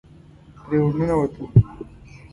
پرې ورننوتم.